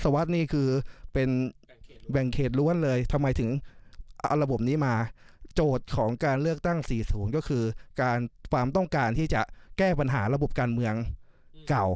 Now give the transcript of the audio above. มีประโยชน์ของการเลือกตั้งสี่สูงก็คือการความต้องการที่จะแก้ปัญหาระบบการเมืองเก่า